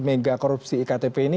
mega korupsi iktp ini